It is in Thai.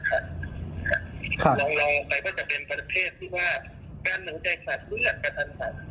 การที่หัวใจเต้นผิดจังหวังกับกระทัดภัณฑ์